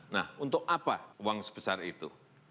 nah untuk apa uang sebesar itu